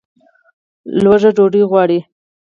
لوږه ډوډۍ غواړي